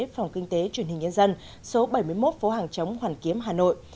phòng kinh tế truyền hình nhân dân số bảy mươi một phố hàng chống hoàn kiếm hà nội